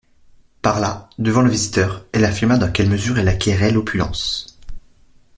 Par là, devant le visiteur, elle affirma dans quelle mesure elle acquérait l'opulence.